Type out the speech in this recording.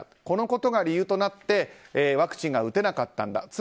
このことが理由となってワクチンが打てなかったんだ